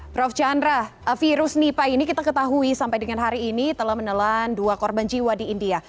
prof chandra virus nipah ini kita ketahui sampai dengan hari ini telah menelan dua korban jiwa di india